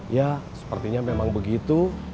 ya sepertinya memang begitu